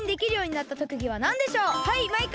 はいマイカ！